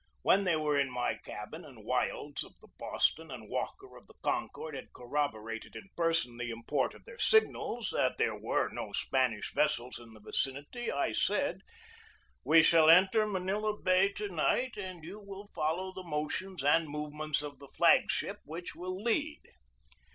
When they were in my cabin, and Wildes, of the Boston, and Walker, of the Concord, had corroborated in person the im port of their signals that there were no Spanish ves sels in the vicinity, I said: "We shall enter Manila Bay to night and you will follow the motions and movements of the flag ship, which will lead."